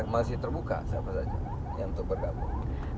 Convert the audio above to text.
masih terbuka siapa saja yang untuk bergabung